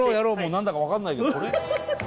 何だか分かんないけど。